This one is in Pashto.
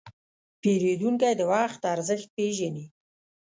پیرودونکی د وخت ارزښت پېژني.